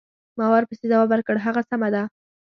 ما ورپسې ځواب ورکړ: هغه سمه ده.